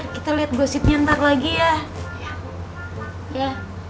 kita lihat gosip nyentak lagi ya ya